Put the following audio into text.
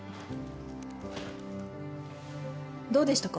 どうでしたか？